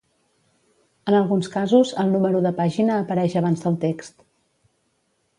En alguns casos el número de pàgina apareix abans del text.